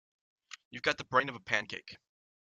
You've got the brain of a pancake.